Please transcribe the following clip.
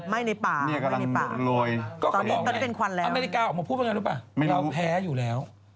ไม่ในป่าไม่ในป่าตอนนี้มันเป็นควันแล้วนะครับไม่รู้ป่ะเราแพ้อยู่แล้ว